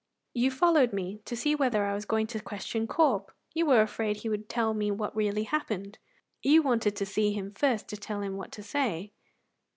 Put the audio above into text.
"You followed me to see whether I was going to question Corp. You were afraid he would tell me what really happened. You wanted to see him first to tell him what to say."